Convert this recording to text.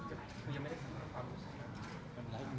โอ้ไม่พี่สมชนถ่ายได้นะครับ